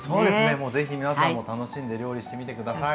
もうぜひ皆さんも楽しんで料理してみて下さい。